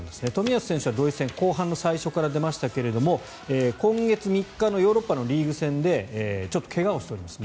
冨安選手はドイツ戦後半の最初から出ましたが今月３日のヨーロッパのリーグ戦でちょっと怪我をしております